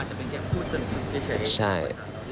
อาจจะเป็นแค่พูดสนุนสุดเฉยใช่